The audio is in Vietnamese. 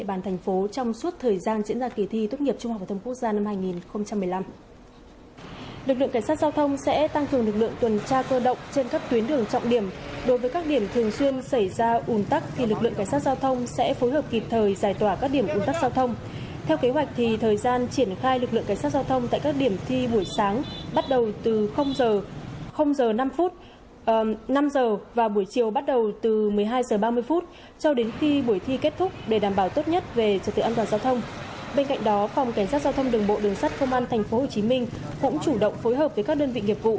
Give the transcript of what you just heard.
bên cạnh đó phòng cảnh sát giao thông đường bộ đường sắt thông an tp hcm cũng chủ động phối hợp với các đơn vị nghiệp vụ